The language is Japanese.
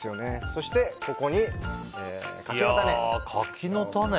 そしてここに柿の種。